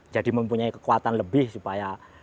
jadi mempunyai kekuatan lebih supaya